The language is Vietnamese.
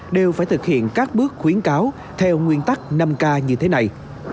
đều phải thực hiện các bước khuyến cáo theo nguyên tắc năm k như thế này